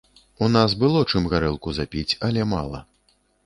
У нас было чым гарэлку запіць, але мала.